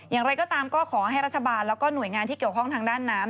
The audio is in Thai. อย่างไรก็ตามก็ขอให้รัฐบาลแล้วก็หน่วยงานที่เกี่ยวข้องทางด้านน้ำ